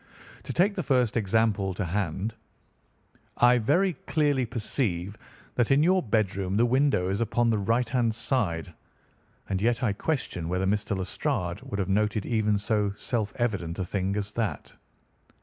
To take the first example to hand, I very clearly perceive that in your bedroom the window is upon the right hand side, and yet I question whether Mr. Lestrade would have noted even so self evident a thing as that."